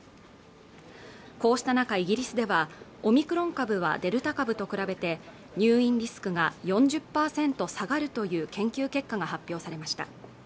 こうした中イギリスではオミクロン株はデルタ株と比べて入院リスクが４０％下がるという研究結果が発表されました